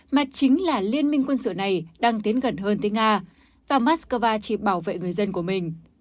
mà chính là liên minh quân sự này đang tiến gần hơn tới nga và moscow chỉ bảo vệ người dân của mình